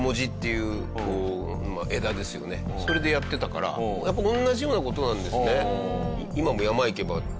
それでやってたからやっぱ同じような事なんですね。